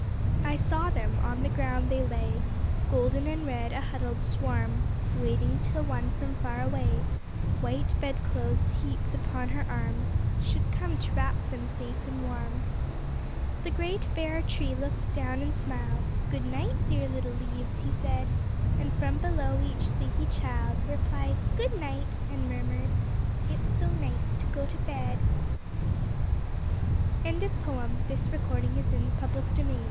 I saw them; on the ground they lay, Golden and red, a huddled swarm, Waiting till one from far away, White bedclothes heaped upon her arm, Should come to wrap them safe and warm. The great bare tree looked down and smiled, "Good night, dear little leaves," he said. And from below each sleepy child Replied, "Good night," and murmured, "It is so nice to go to bed!" Susan Coolidge. THE LITTLE LADYBIRD Ladybird, ladybird!